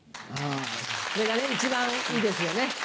それがね一番いいですよね。